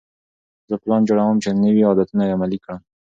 زه پلان جوړوم چې نوي عادتونه عملي کړم.